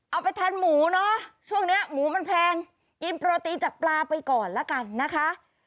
เอาไปทานหมูเนอะช่วงนี้หมูมันแพงกินโปรตีนจากปลาไปก่อนแล้วกันนะคะ